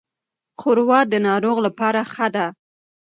ښوروا د ناروغ لپاره ښه ده.